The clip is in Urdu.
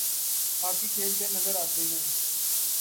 ہاکی کھیلتے نظر آتے ہیں